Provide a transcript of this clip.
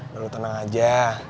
lo tenang aja